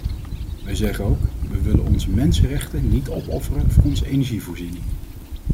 Wij zeggen ook: we willen onze mensenrechten niet opofferen voor onze energievoorziening.